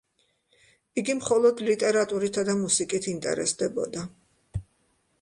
იგი მხოლოდ ლიტერატურითა და მუსიკით ინტერესდებოდა.